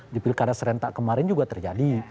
di pilkada serentak kemarin juga terjadi